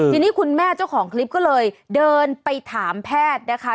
ทีนี้คุณแม่เจ้าของคลิปก็เลยเดินไปถามแพทย์นะคะ